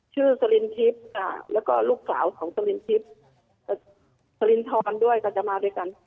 สลินทิพย์แล้วก็ลูกสาวของสลินทิพย์สลินทรด้วยก็จะมาด้วยกัน